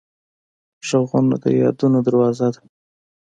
غږونه د یادونو دروازه ده